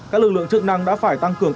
các lực lượng chức năng đã phải tăng cường